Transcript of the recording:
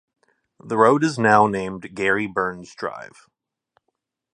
The road is now named Gary Burns Drive.